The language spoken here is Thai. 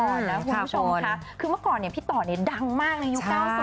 คุณผู้ชมไม่เจนเลยค่ะถ้าลูกคุณออกมาได้มั้ยคะ